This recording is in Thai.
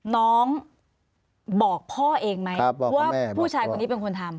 น้องบอกพ่อเองไหมว่าผู้ชายคนนี้เป็นคนทำ